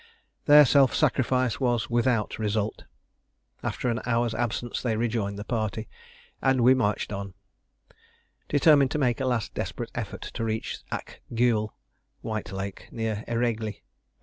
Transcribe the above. Their self sacrifice was without result. After an hour's absence they rejoined the party, and we marched on, determined to make a last desperate effort to reach the Ak Gueul (White Lake) near Eregli.